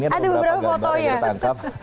ada beberapa foto yang ditangkap